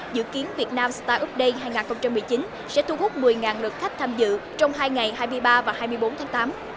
dự kiến việt nam startup day hai nghìn một mươi chín sẽ thu hút một mươi lượt khách tham dự trong hai ngày hai mươi ba và hai mươi bốn tháng tám